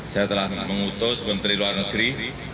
saya telah mengutus menteri luar negeri